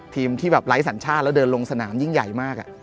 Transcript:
ทีมที่แบบไร้สัญชาติแล้วเดินลงสนามยิ่งใหญ่มาก